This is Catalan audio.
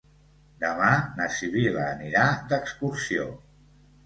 Demà na Sibil·la anirà d'excursió.